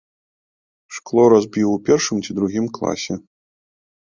Шкло разбіў у першым ці другім класе.